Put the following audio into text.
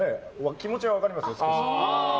気持ちは分かりますよ、少し。